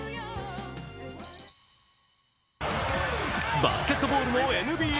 バスケットボールのＮＢＡ。